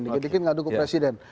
sedikit sedikit ngadu ke presiden